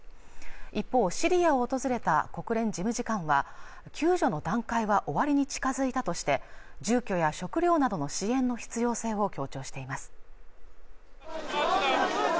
一方シリアを訪れた国連事務次官は救助の段階は終わりに近づいたとして住居や食料などの支援の必要性を強調しています